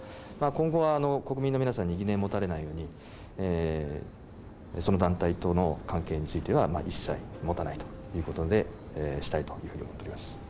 今後は国民の皆さんに疑念を持たれないように、その団体との関係については、一切持たないということでしたいと思っています。